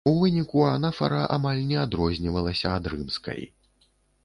У выніку анафара амаль не адрознівалася ад рымскай.